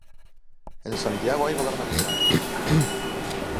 "En Santiago hai gobernabilidade".